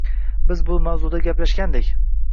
Biz bu mavzuda gaplashgandik.